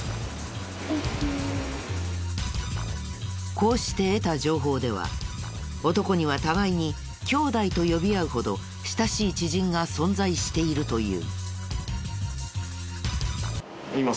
こうして得た情報では男には互いに兄弟と呼び合うほど親しい知人が存在しているという。